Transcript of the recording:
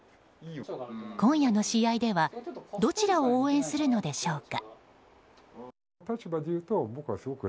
今夜の試合ではどちらを応援するのでしょうか。